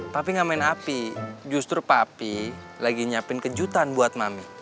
papi gak main api justru papi lagi nyiapin kejutan buat mami